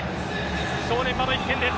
正念場の一戦です。